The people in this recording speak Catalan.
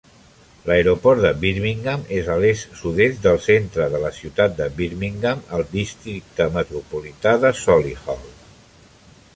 L'aeroport de Birmingham és a l'est-sud-est del centre de la ciutat de Birmingham, al districte metropolità de Solihull.